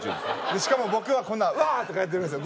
しかも僕はこんな「うわっ！」とかやってるんですよ。